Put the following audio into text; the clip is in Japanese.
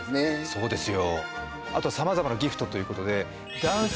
そうですよ